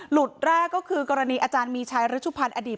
หลุดแรกก็คือกรณีอาจารย์มีชัยฤชุพันธ์อดีต